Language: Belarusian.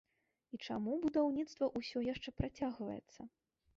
І чаму будаўніцтва ўсе яшчэ працягваецца?